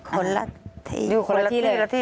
คนละที่